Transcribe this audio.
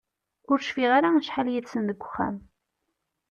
Ur cfiɣ ara acḥal yid-sen deg uxxam.